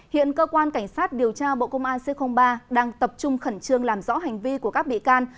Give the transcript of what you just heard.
hiện cơ quan cảnh sát điều tra bộ công an c ba đang tập trung khẩn trương làm rõ hành vi của các bị can